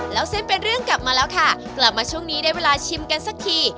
แล้วเส้นเป็นเรื่องกลับมาแล้วค่ะกลับมาช่วงนี้ได้เวลาชิมกันสักที